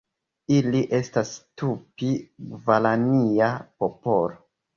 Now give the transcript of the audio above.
Ili estas Tupi-gvarania popolo.